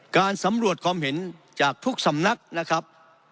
การสำรวจความเห็นจากทุกสำนักนะครับ